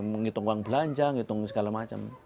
menghitung uang belanja menghitung segala macam